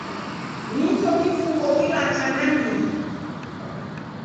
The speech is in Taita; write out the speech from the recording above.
Nicho kifungo kilacha nandighi.